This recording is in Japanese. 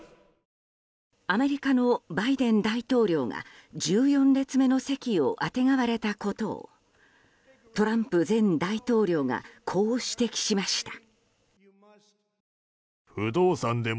アメリカのバイデン大統領が１４列目の席をあてがわれたことをトランプ前大統領がこう指摘しました。